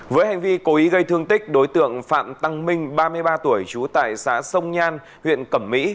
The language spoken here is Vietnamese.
với hành vi cố ý gây thương tích đối tượng phạm tăng minh ba mươi ba tuổi trú tại xã sông nhan huyện cẩm mỹ